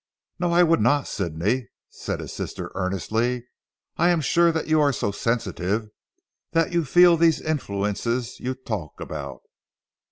"No, I would not Sidney," said his sister earnestly, "I am sure that you are so sensitive that you feel these influences you talk about."